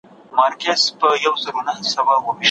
بورا به څنګه د اغزیو له آزاره څارې